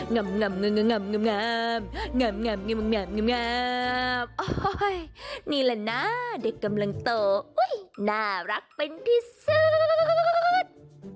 งำนี่แหละนะเด็กกำลังโตอุ้ยน่ารักเป็นที่สุด